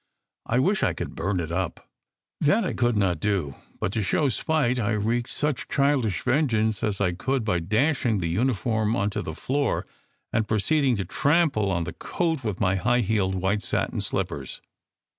I wish I could burn it up!" That I could not do; but to show spite I wreaked such childish vengeance as I could by dashing the uniform on to the floor and proceeding to trample on the coat with my high heeled white satin slippers.